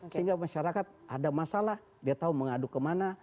sehingga masyarakat ada masalah dia tahu mengadu kemana